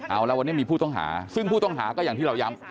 เอาแล้วแบบนี้มีผู้ต้องหาก็อย่างที่เราย้ำ